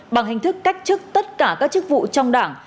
bằng hình thức cách chức tất cả các chức vụ trong đảng